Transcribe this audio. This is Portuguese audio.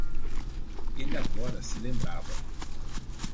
Ele agora se lembrava